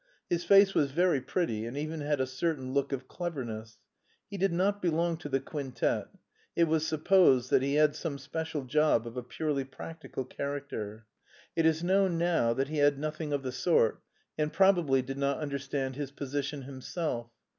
His face was very pretty and even had a certain look of cleverness. He did not belong to the quintet; it was supposed that he had some special job of a purely practical character. It is known now that he had nothing of the sort and probably did not understand his position himself.